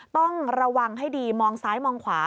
ต้องระวังให้ดีมองซ้ายมองขวา